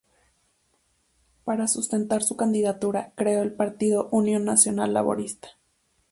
Para sustentar su candidatura creó el partido Unión Nacional Laborista.